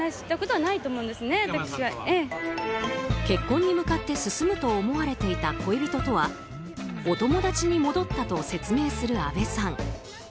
結婚に向かって進むと思われていた恋人とはお友達に戻ったと説明するあべさん。